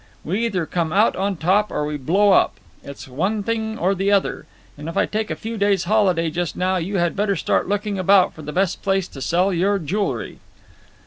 We either come out on top or we blow up. It's one thing or the other. And if I take a few days' holiday just now you had better start looking about for the best place to sell your jewellery.